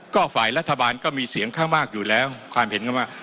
ก็ฝ่ายรัฐบาลก็มีเสียงข้างมากอยู่แล้วความเห็นกันว่า